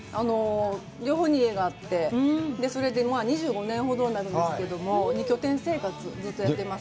両方に家があって、それで２５年ほどになるんですけれども、二拠点生活をずっとやっています。